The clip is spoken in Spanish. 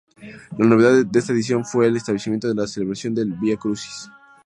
La novedad de esta edición fue el establecimiento de la celebración del Vía crucis.